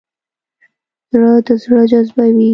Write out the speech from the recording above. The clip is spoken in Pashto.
زړه د زړه جذبوي.